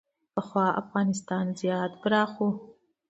پخوا افغانستان زیات پراخ و